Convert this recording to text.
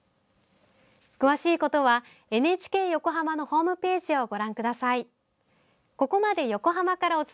詳しいことはＮＨＫ横浜のホームページをご覧ください。